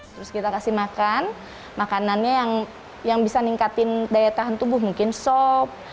terus kita kasih makan makanannya yang bisa ningkatin daya tahan tubuh mungkin sop